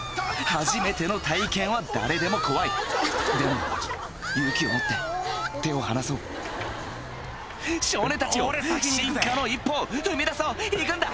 初めての体験は誰でも怖いでも勇気を持って手を離そう少年達よ進化の一歩を踏み出そう行くんだ！